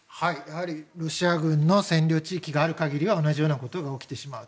ロシア軍の占領地域がある限りは同じようなことが起きてしまう。